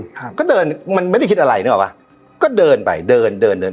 ครับก็เดินมันไม่ได้คิดอะไรนึกออกป่ะก็เดินไปเดินเดินเดิน